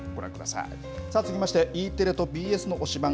さあ、続きまして、ＥテレとＢＳの推しバン！